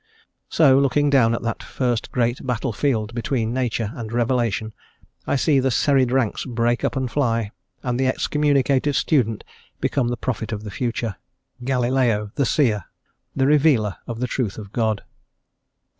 So, looking down at that first great battle field between nature and revelation I see the serried ranks break up and fly, and the excommunicated student become the prophet of the future, Galileo the seer, the revealer of the truth of God.